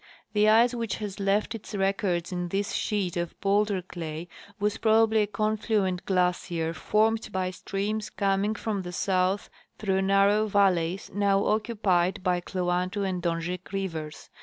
The ice which has left its records in this sheet of bowlder clay was probably a confluent glacier formed by streams coming from the south through narrow valleys now occupied by Kluantu and Donjek rivers.